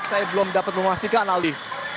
saya belum dapat memastikan aldi